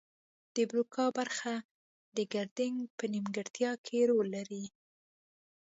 د بروکا برخه د ګړیدنګ په نیمګړتیا کې رول لري